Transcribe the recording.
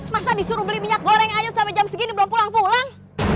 masa disuruh beli minyak goreng ayo sampai jam segini belum pulang pulang